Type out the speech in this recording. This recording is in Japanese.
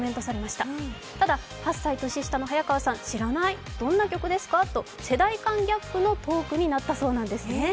ただ８歳年下の早川さん、知らない、どんな曲ですかと世代間ギャップのトークになったそうなんですね。